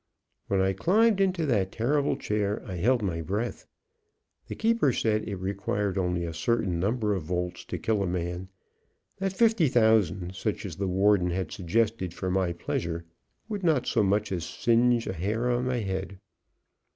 When I climbed into that terrible chair, I held my breath. The keeper said it required only a certain number of volts to kill a man; that fifty thousand, such as the warden had suggested for my pleasure, would not so much as singe a hair of my head.